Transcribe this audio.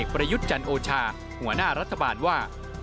ประยุทธ์จันโอชาหัวหน้ารัฐบาลว่า